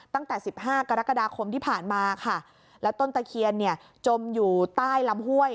ตั้งแต่สิบห้ากรกฎาคมที่ผ่านมาค่ะแล้วต้นตะเคียนเนี่ยจมอยู่ใต้ลำห้วย